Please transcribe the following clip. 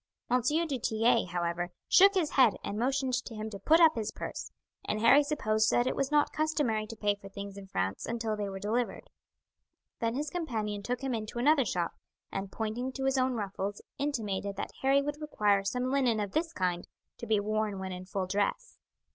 M. du Tillet, however, shook his head and motioned to him to put up his purse; and Harry supposed that it was not customary to pay for things in France until they were delivered. Then his companion took him into another shop, and pointing to his own ruffles intimated that Harry would require some linen of this kind to be worn when in full dress.